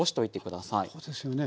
そうですよね。